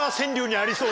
ありそう。